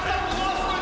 すごい！